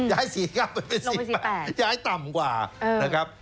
ย้ายสี่ลงไปสี่แปดย้ายต่ำกว่านะครับ